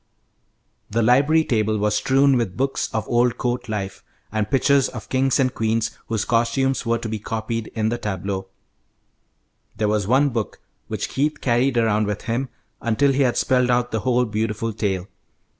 The library table was strewn with books of old court life, and pictures of kings and queens whose costumes were to be copied in the tableaux. There was one book which Keith carried around with him until he had spelled out the whole beautiful tale.